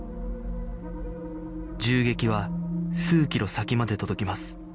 銃撃は数キロ先まで届きます